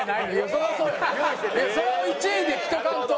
そりゃ１位できとかんと。